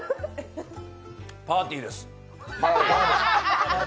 パーティーです。